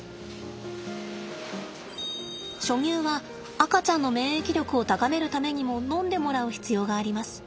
初乳は赤ちゃんの免疫力を高めるためにも飲んでもらう必要があります。